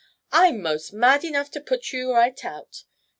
"I'm most mad enough to put you right out.